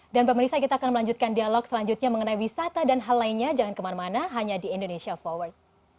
dan pak melissa kita akan melanjutkan dialog selanjutnya mengenai wisata dan hal lainnya jangan kemana mana hanya di indonesia forward